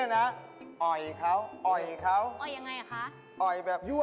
เอ้อได้มั้ย